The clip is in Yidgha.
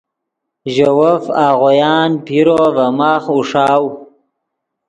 ژے وف آغویان پیرو ڤے ماخ اوݰاؤ